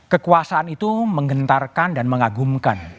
kekuasaan itu menggentarkan dan mengagumkan